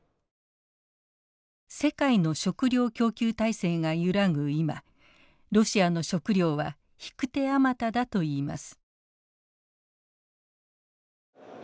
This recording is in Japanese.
世界の食料供給体制が揺らぐ今ロシアの食料は引く手あまただといいます。